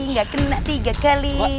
gak kena tiga kali